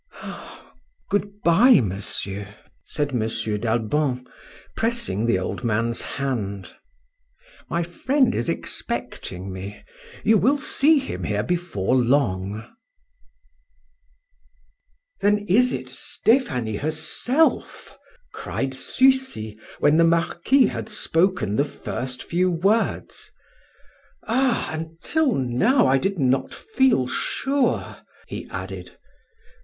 "Good bye, monsieur," said M. d'Albon, pressing the old man's hand. "My friend is expecting me; you will see him here before long." "Then it is Stephanie herself?" cried Sucy when the Marquis had spoken the first few words. "Ah! until now I did not feel sure!" he added.